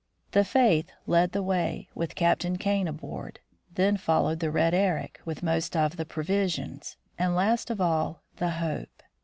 The Faith led the way, with Captain Kane aboard. Then followed the Red Eric, with most of the provisions, and last of all, the Hope.